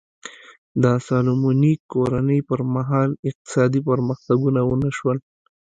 د سالومونیک کورنۍ پر مهال اقتصادي پرمختګونه ونه شول.